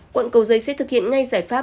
quận cầu giấy sẽ thực hiện ngay giải pháp